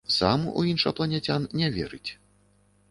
Сам у іншапланецян не верыць.